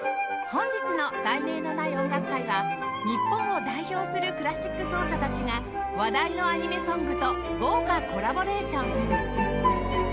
『ＢＯＹ』本日の『題名のない音楽会』は日本を代表するクラシック奏者たちが話題のアニメソングと豪華コラボレーション